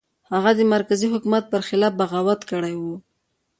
هغه د مرکزي حکومت پر خلاف بغاوت کړی و.